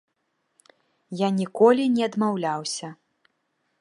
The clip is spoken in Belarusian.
Я ніколі не адмаўляўся.